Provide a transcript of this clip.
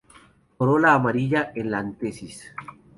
Corola amarilla en la antesis.